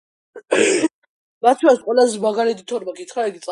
ტოკიოში საკონტინენტთაშორისო თასის ფინალში ბორუსიამ ბრაზილიურ „კრუზეიროს“ სძლია.